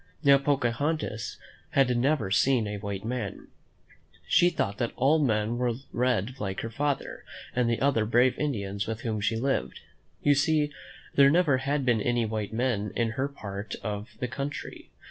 Now, Pocahontas had never seen a white man. She thought that all men were red like her father and the other brave Indians with whom she lived. You see, there never had been any white men in her part of the country.